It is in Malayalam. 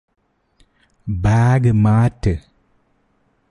ബാഗ് മാറ്റ്